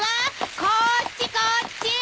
こっちこっち！